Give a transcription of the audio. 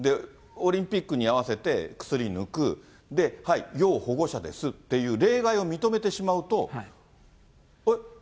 オリンピックに合わせて薬抜く、はい、要保護者ですっていう例外を認めてしまうと、えっ？